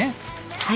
はい。